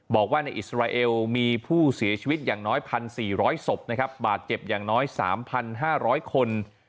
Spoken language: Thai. บอกว่าในอิสราเอลมีผู้เสียชีวิตอย่างน้อย๑๔๐๐ศพนะครับบาดเจ็บอย่างน้อย๓๕๐๐คน